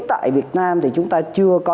tại việt nam thì chúng ta chưa có